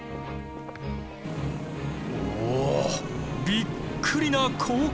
おおびっくりな光景！